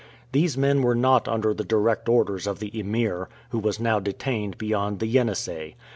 These men were not under the direct orders of the Emir, who was now detained beyond the Yenisei.